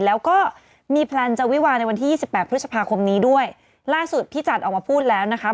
แล้วก็มีแพลนจะวิวาในวันที่ยี่สิบแปดพฤษภาคมนี้ด้วยล่าสุดพี่จัดออกมาพูดแล้วนะคะ